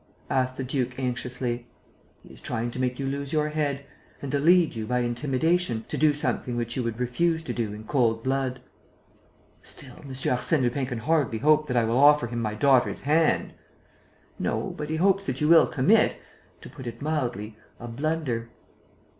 asked the duke, anxiously. "He is trying to make you lose your head and to lead you, by intimidation, to do something which you would refuse to do in cold blood." "Still, M. Arsène Lupin can hardly hope that I will offer him my daughter's hand!" "No, but he hopes that you will commit, to put it mildly, a blunder."